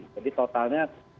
jadi totalnya delapan